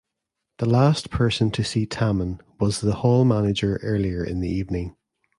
The last person to see Tammen was the Hall manager earlier in the evening.